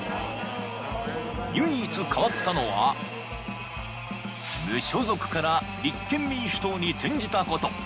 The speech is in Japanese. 唯一変わったのは、無所属から立憲民主党に転じたこと。